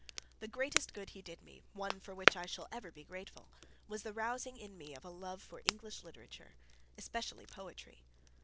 The greatest good he did me, one for which I shall be ever grateful, was the rousing in me of a love for English literature, especially poetry.